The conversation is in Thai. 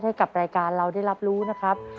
ให้กับรายการเราได้รับรู้นะครับ